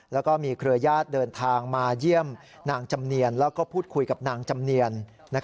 แล้วก็มีเครือญาติเดินทางมาเยี่ยมนางจำเนียนแล้วก็พูดคุยกับนางจำเนียน